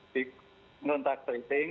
di kontak tracing